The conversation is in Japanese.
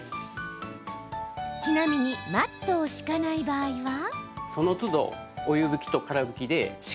ちなみにマットを敷かない場合は。